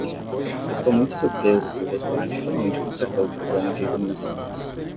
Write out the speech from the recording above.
Estou muito surpreso que o restaurante finalmente consertou o problema de iluminação.